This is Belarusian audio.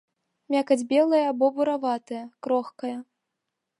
Мякаць белая або бураватая, крохкая.